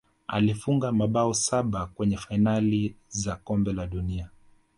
alifunga mabao saba kwenye fainali za kombe la dunia